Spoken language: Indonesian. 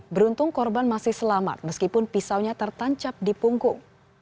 beruntung korban masih selamat meskipun pisaunya tertancap di punggung